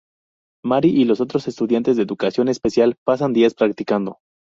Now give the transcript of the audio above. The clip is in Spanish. Mary y los otros estudiantes de Educación Especial pasan días practicando.